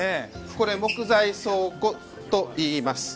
これ木材倉庫といいます。